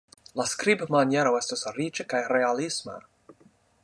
La skribmaniero estas riĉa kaj realisma.